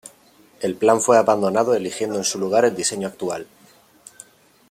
El plan fue abandonado eligiendo en su lugar el diseño actual.